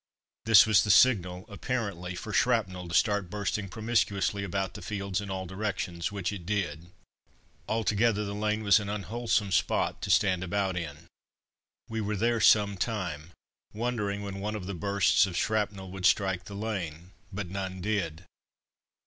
This was the signal, apparently, for shrapnel to start bursting promiscuously about the fields in all directions, which it did. Altogether the lane was an unwholesome spot to stand about in. We were there some time, wondering when one of the bursts of shrapnel would strike the lane, but none did.